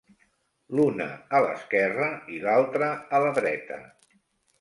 L'una a l'esquerra i l'altra a la dreta.